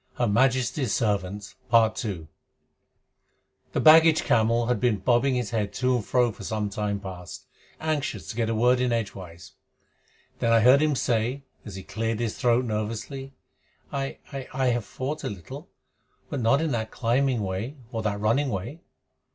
That's scientific and neat. But knives pah!" The baggage camel had been bobbing his head to and fro for some time past, anxious to get a word in edgewise. Then I heard him say, as he cleared his throat, nervously: "I I I have fought a little, but not in that climbing way or that running way."